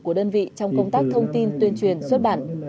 của đơn vị trong công tác thông tin tuyên truyền xuất bản